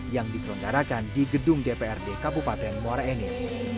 yang diselenggarakan di gedung dprd kabupaten muara enim